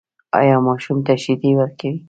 ایا ماشوم ته شیدې ورکوئ؟